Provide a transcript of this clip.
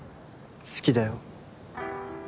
好きだよ。